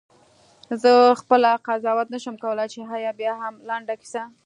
زه خپله قضاوت نه شم کولای چې آیا بیاهم لنډه کیسه.